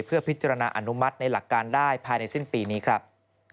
เพื่อพิจารณาอนุมัติในหลักการได้ภายในสิ้นปีนี้ครับ